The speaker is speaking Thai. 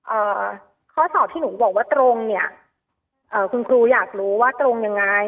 เอ่อข้อสอบที่หนูบอกว่าตรงเนี้ยเอ่อคุณครูอยากรู้ว่าตรงยังไง